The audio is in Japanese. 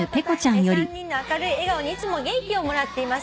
「３人の明るい笑顔にいつも元気をもらっています」